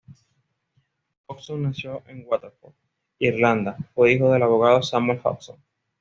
Hobson nació en Waterford, Irlanda, fue hijo del abogado Samuel Hobson.